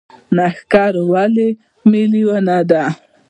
نښتر ولې ملي ونه ده؟